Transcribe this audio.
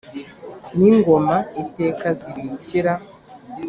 N'ingoma iteka zibikira.